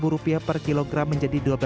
rp delapan per kilogram menjadi